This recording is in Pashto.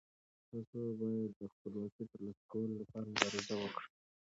تاسو باید د خپلواکۍ د ترلاسه کولو لپاره مبارزه وکړئ.